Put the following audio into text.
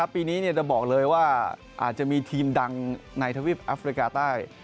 ปีนี้จะบอกเลยว่าอาจจะมีทีมดังในทวีปแอฟริกาใต้